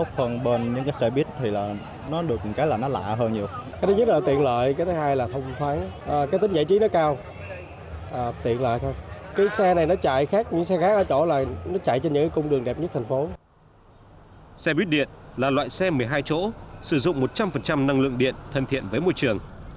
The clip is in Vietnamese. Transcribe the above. xe buýt điện là loại xe một mươi hai chỗ sử dụng một trăm linh năng lượng điện thân thiện với môi trường